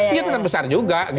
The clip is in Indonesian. iya tetap besar juga